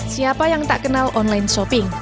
siapa yang tak kenal online shopping